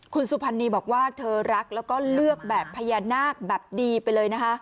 คุณสุพรรณีบอกว่าเธอรักแล้วก็เลือกแบบพญานาคแบบดีไปเลยนะคะ